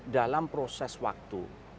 dalam proses waktu